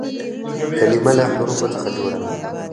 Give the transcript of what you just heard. کلیمه له حروفو څخه جوړه ده.